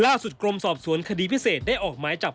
กล้าสุดกรมสอบสวนคดีพิเศษได้ออกหมายจาก